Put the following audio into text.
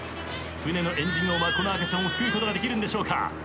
船のエンジン音はこの赤ちゃんを救うことができるんでしょうか。